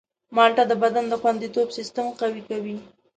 مالټه د بدن د خوندیتوب سیستم قوي کوي.